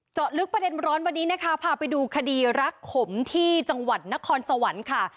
เจาะลึกประเด็นร้อนวันนี้นะคะพาไปดูคดีรักขมที่จังหวัดนครสวรรค์ค่ะ